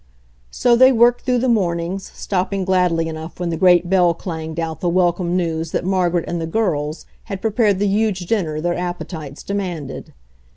So they worked through the mornings, stop ping gladly enough when the great bell clanged out the welcome news that Margaret and the girls had prepared the huge dinner their appe tites demanded.